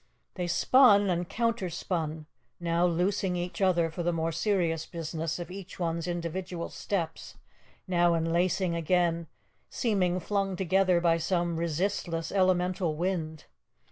They spun and counter spun; now loosing each other for the more serious business of each one's individual steps, now enlacing again, seeming flung together by some resistless elemental wind.